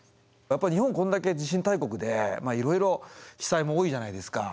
日本こんだけ地震大国でいろいろ被災も多いじゃないですか。